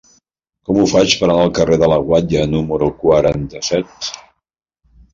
Com ho faig per anar al carrer de la Guatlla número quaranta-set?